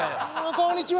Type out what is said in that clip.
「こんにちは」。